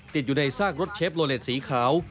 ติดอยู่ในซากรถเชฟโลเลสสีขาว